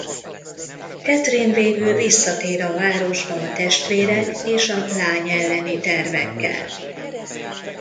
Katherine végül visszatér a városba a testvérek és a lány elleni tervekkel.